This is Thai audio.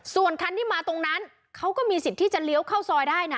ส่วนคันที่มาตรงนั้นเขาก็มีสิทธิ์ที่จะเลี้ยวเข้าซอยได้นะ